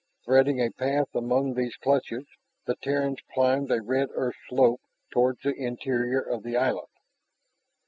Treading a path among those clutches, the Terrans climbed a red earthed slope toward the interior of the island.